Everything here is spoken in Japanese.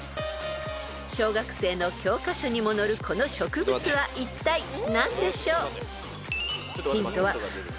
［小学生の教科書にも載るこの植物はいったい何でしょう］